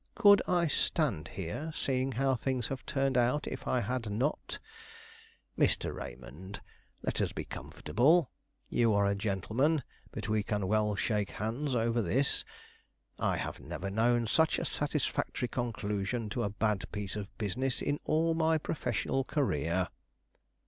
"Could I stand here, seeing how things have turned out, if I had not? Mr. Raymond, let us be comfortable. You are a gentleman, but we can well shake hands over this. I have never known such a satisfactory conclusion to a bad piece of business in all my professional career."